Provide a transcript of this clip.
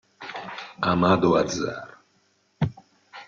Amado Azar